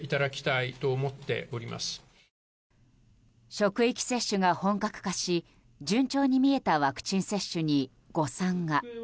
職域接種が本格化し順調に見えたワクチン接種に誤算が。